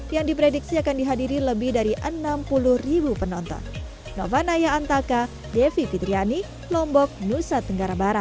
yang diprediksi akan dihadiri lebih dari enam puluh ribu penonton